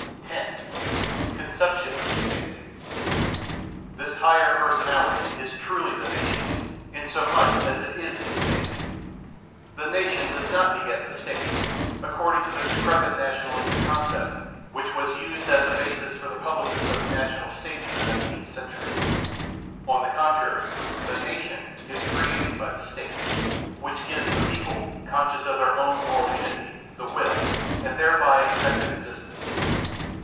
10. Conception of the State. This higher personality is truly the nation, inasmuch as it is the State. The nation does not beget the State, according to the decrepit nationalistic concept which was used as a basis for the publicists of the national States in the Nineteenth Century. On the contrary, the nation is created by the State, which gives the people, conscious of their own moral unity, the will, and thereby an effective existence.